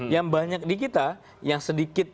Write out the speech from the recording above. yang banyak di kita yang sedikit